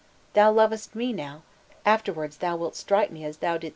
Thou lovest me now, afterwards thou wilt strike me as thou didst these."